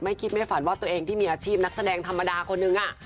คิดไม่ฝันว่าตัวเองที่มีอาชีพนักแสดงธรรมดาคนนึง